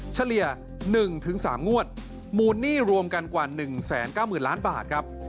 เฉลี่ย๑๓งวดมูลหนี้รวมกันกว่า๑๙๐๐ล้านบาทครับ